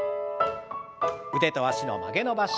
腕と脚の曲げ伸ばし。